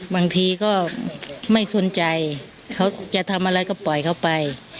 บางทีก็ไม่สนใจเขาจะทำอะไรก็ปล่อยเขาไป